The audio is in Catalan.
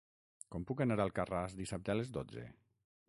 Com puc anar a Alcarràs dissabte a les dotze?